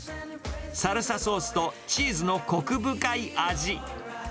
サルサソースとチーズのこく深い味。